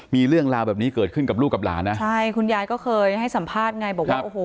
มีเรื่องราวแบบนี้เกิดขึ้นกับลูกกับหลานนะใช่คุณยายก็เคยให้สัมภาษณ์ไงบอกว่าโอ้โห